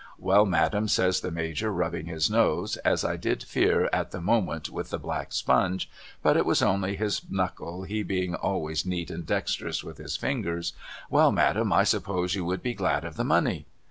* Well, Madam,' says the Major rubbing his nose — as I did fear at the moment with the black sponge but it was only his knuckle, he being always neat and dexterous with his fingers —' well, Madam, I suppose you would be glad of the money